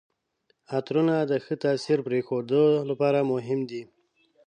عطرونه د ښه تاثر پرېښودو لپاره مهم دي.